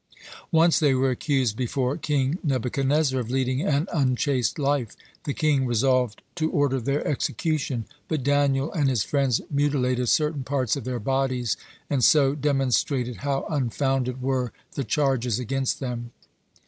Once they were accused before King Nebuchadnezzar of leading an unchaste life. The king resolved to order their execution. But Daniel and his friends mutilated certain parts of their bodies, and so demonstrated how unfounded were the charges against them.